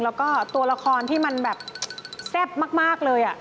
แล้วก็ตัวละครที่มันแบบแซ่บมากเลย